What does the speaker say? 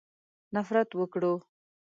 نفرت وکړو.